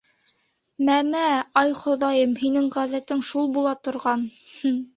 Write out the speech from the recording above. — Мә, мә, ай Хоҙайым, һинең ғәҙәтең шул була торған.